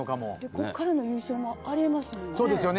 ここからの優勝もあり得ますもんね。